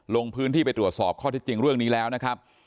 ลงพื้นที่ไปตรวจสอบข้อที่จริงเรื่องนี้แล้วนะครับ